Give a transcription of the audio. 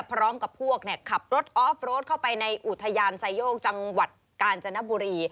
พร้อมกับพวกขับรถออฟโรดเข้าไปในอุทยานไซโยกจังหวัดกาญจนบุรี